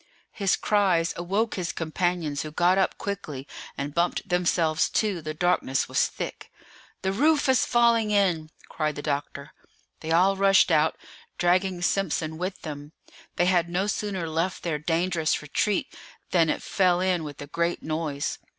His cries awoke his companions, who got up quickly, and bumped themselves too; the darkness was thick. "The roof is falling in!" cried the doctor. They all rushed out, dragging Simpson with them; they had no sooner left their dangerous retreat, than it fell in with a great noise.